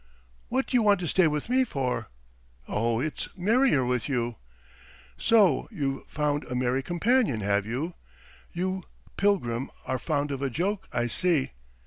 ..." "What do you want to stay with me for?" "Oh ... it's merrier with you! ...." "So you've found a merry companion, have you? You, pilgrim, are fond of a joke I see.